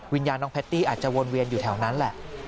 วิญญาณน้องแพตตี้อาจจะวนเวียนอยู่แถวนั้นแหละ